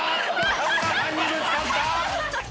カメラさんにぶつかった！